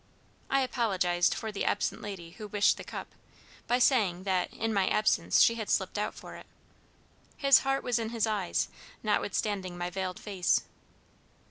I apologized for the absent lady who wished the cup, by saying that 'in my absence she had slipped out for it.' His heart was in his eyes, notwithstanding my veiled face.